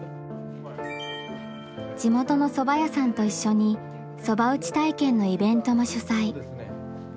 地元のそば屋さんと一緒にそば打ち体験のイベントも主催。